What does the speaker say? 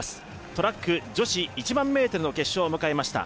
トラック女子１００００ｍの決勝を迎えました。